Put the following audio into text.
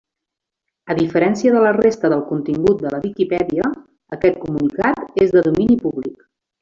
A diferència de la resta del contingut de la Viquipèdia, aquest comunicat és de domini públic.